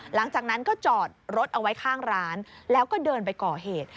หลังจากนั้นก็จอดรถเอาไว้ข้างร้านแล้วก็เดินไปก่อเหตุ